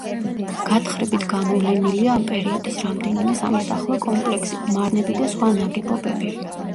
გათხრებით გამოვლენილია ამ პერიოდის რამდენიმე სამოსახლო კომპლექსი, მარნები და სხვა ნაგებობები.